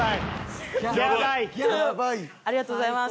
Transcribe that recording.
ありがとうございます。